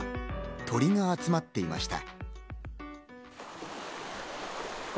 鳥が集まっていました。